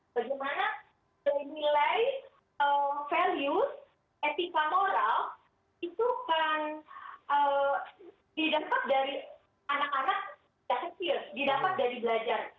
bagaimana nilai values etika moral itu akan didapat dari anak anak sejak kecil didapat dari belajar